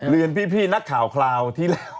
พี่นักข่าวคราวที่แล้ว